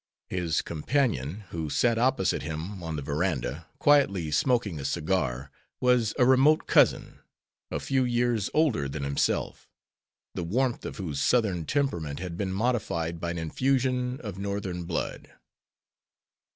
His companion, who sat opposite him on the verandah, quietly smoking a cigar, was a remote cousin, a few years older than himself, the warmth of whose Southern temperament had been modified by an infusion of Northern blood.